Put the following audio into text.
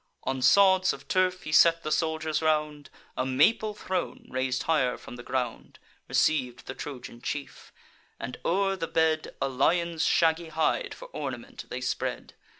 On sods of turf he set the soldiers round: A maple throne, rais'd higher from the ground, Receiv'd the Trojan chief; and, o'er the bed, A lion's shaggy hide for ornament they spread.